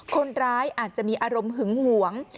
คนร้ายอาจจะมีอารมณ์หึงหวง